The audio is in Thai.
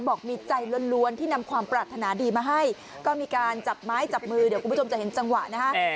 บอกมีใจล้วนที่นำความปรารถนาดีมาให้ก็มีการจับไม้จับมือเดี๋ยวคุณผู้ชมจะเห็นจังหวะนะฮะ